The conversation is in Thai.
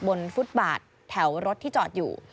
ฟุตบาทแถวรถที่จอดอยู่